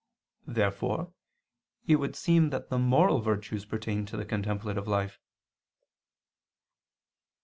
Therefore it would seem that the moral virtues pertain to the contemplative life.